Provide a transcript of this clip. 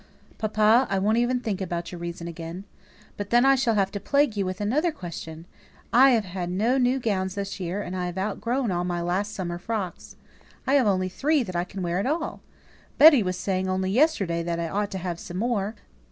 "Papa, I won't even think about your reason again. But then I shall have to plague you with another question. I've had no new gown this year, and I've outgrown all my last summer frocks. I've only three that I can wear at all. Betty was saying only yesterday that I ought to have some more."